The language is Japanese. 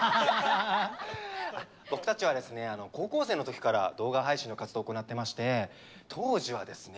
僕たちはですね高校生の時から動画配信の活動を行ってまして当時はですね